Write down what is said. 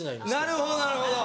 なるほどなるほど！